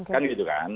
kan gitu kan